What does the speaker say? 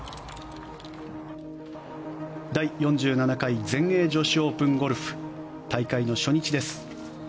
第４７回全英女子オープンゴルフ大会の初日です。